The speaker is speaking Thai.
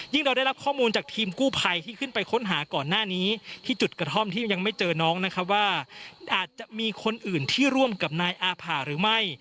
เราได้รับข้อมูลจากทีมกู้ภัยที่ขึ้นไปค้นหาก่อนหน้านี้ที่จุดกระท่อมที่ยังไม่เจอน้องนะครับว่าอาจจะมีคนอื่นที่ร่วมกับนายอาผ่าหรือไม่